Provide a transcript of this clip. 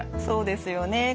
そうですよね。